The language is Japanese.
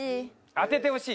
当ててほしい！